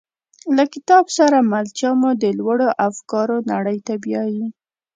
له کتاب سره ملتیا مو د لوړو افکارو نړۍ ته بیایي.